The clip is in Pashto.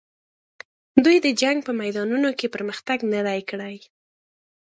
دوی د جنګ په میدانونو کې پرمختګ نه دی کړی.